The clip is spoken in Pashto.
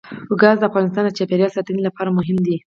ګاز د افغانستان د چاپیریال ساتنې لپاره مهم دي.